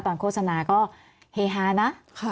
โฆษณาก็เฮฮานะ